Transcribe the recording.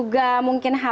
kalau kita lihat